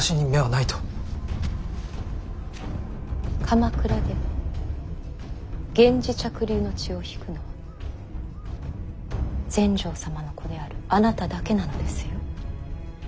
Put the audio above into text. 鎌倉で源氏嫡流の血を引くのは全成様の子であるあなただけなのですよ。